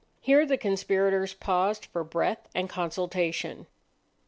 Here the conspirators paused for breath and consultation.